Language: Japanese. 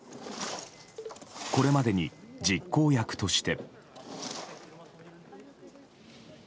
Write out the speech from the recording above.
これまでに実行役として。